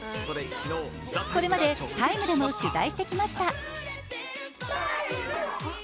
これまで「ＴＩＭＥ，」でも取材してきました。